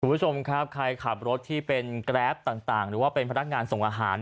คุณผู้ชมครับใครขับรถที่เป็นแกรปต่างหรือว่าเป็นพนักงานส่งอาหาร